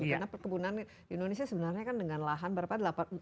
karena perkebunan di indonesia sebenarnya kan dengan lahan berapa